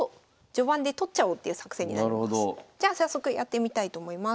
じゃあ早速やってみたいと思います。